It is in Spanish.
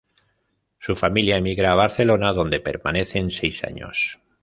Su familia emigra a Barcelona, donde permanecen seis años.